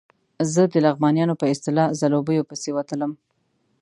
زه د لغمانیانو په اصطلاح ځلوبیو پسې وتلم.